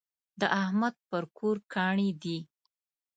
د احمد پر کور کاڼی دی.